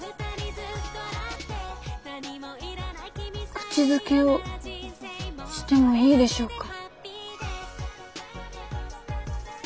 口づけをしてもいいでしょうか。